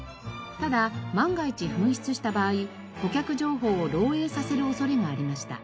ただ万が一紛失した場合顧客情報を漏洩させる恐れがありました。